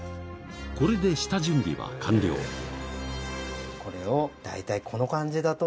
これで下準備は完了これを大体。